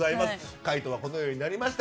回答はこのようになりました。